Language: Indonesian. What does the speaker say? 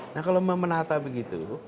nah kalau memenata begitu